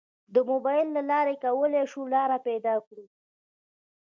د موبایل له لارې کولی شو لار پیدا کړو.